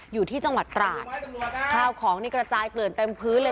อยู่ที่จังหวัดตราดข้าวของนี่กระจายเกลื่อนเต็มพื้นเลย